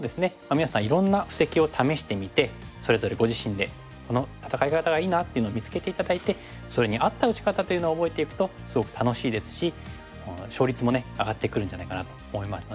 皆さんいろんな布石をためしてみてそれぞれご自身で「この戦い方がいいな」っていうのを見つけて頂いてそれに合った打ち方というのを覚えていくとすごく楽しいですし勝率もね上がってくるんじゃないかなと思いますので。